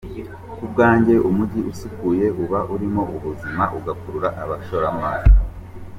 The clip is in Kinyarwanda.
Ku bwanjye umujyi usukuye uba urimo ubuzima, ugakurura abashoramari.